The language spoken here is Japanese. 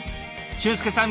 俊介さん